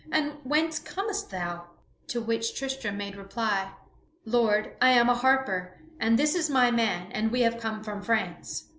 And whence comest thou?" To which Tristram made reply: "Lord, I am a harper, and this is my man, and we have come from France."